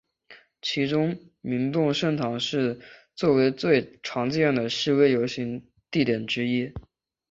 其中明洞圣堂是作为最常见的示威游行地点之一。